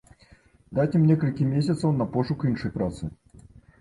Даць ім некалькі месяцаў на пошук іншай працы.